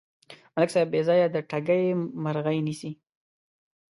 ملک صاحب بېځایه د ټګۍ مرغۍ نیسي.